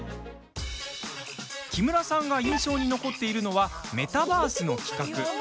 木村さんが印象に残っているのはメタバースの企画。